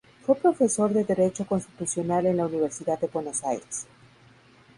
Fue profesor de Derecho Constitucional en la Universidad de Buenos Aires.